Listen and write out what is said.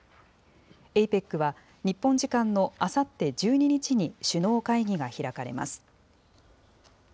ＡＰＥＣは日本時間のあさって１２日に首脳会議が開かれます。